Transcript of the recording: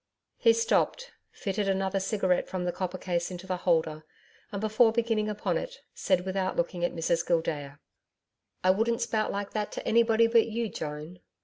] He stopped, fitted another cigarette from the copper case into the holder and, before beginning upon it, said without looking at Mrs Gildea: 'I wouldn't spout like that to anybody but you, Joan.